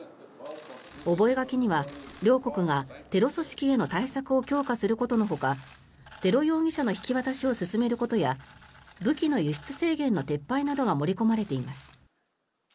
覚書には両国がテロ組織への対策を強化することのほかテロ容疑者の引き渡しを進めることや武器の輸出制限の撤廃などが盛り込まれています。